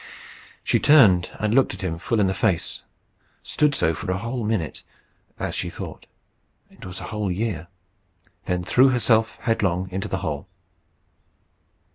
She turned and looked him full in the face stood so for a whole minute, as she thought: it was a whole year then threw herself headlong into the hole.